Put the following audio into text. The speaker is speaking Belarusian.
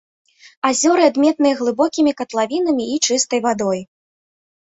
Азёры адметныя глыбокімі катлавінамі і чыстай вадой.